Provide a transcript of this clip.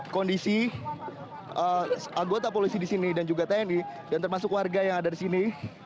kondisi anggota polisi di sini dan juga tni dan termasuk warga yang ada di sini